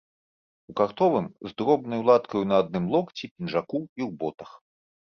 У картовым, з дробнаю латкаю на адным локці, пінжаку і ў ботах.